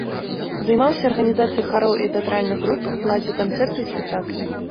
Займаўся арганізацыяй хароў і тэатральных груп, ладзіў канцэрты і спектаклі.